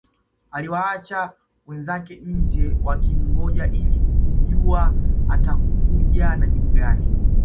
Aliwaacha wenzake nje wakimngoja ili kujua atakuja na jibu gani